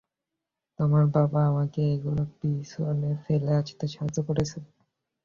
তোমার বাবা আমাকে এগুলো পিছনে ফেলে আসতে সাহায্য করেছে।